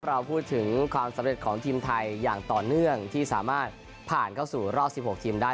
เราพูดถึงความสำเร็จของทีมไทยอย่างต่อเนื่องที่สามารถผ่านเข้าสู่รอบ๑๖ทีมได้